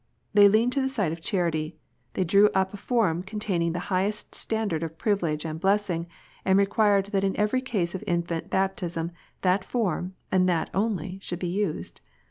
They leaned to the side of charity. _They drew up a form containing the highest standard of privilege and blessing, and required that in every case of infant baptism that form, and that only, should be used.